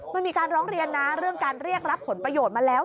มันมีการร้องเรียนนะเรื่องการเรียกรับผลประโยชน์มาแล้ว